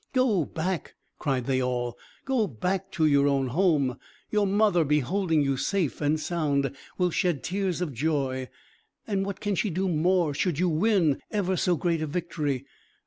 "Go back," cried they all "go back to your own home! Your mother, beholding you safe and sound, will shed tears of joy; and what can she do more, should you win ever so great a victory?